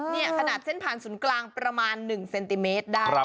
นี่ขนาดเส้นผ่านศูนย์กลางประมาณ๑เซนติเมตรได้